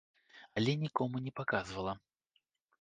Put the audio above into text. Але нікому не паказвала.